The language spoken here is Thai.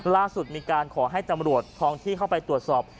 ล่าสุดมีการขอให้ตำรวจทองที่เข้าไปตรวจสอบ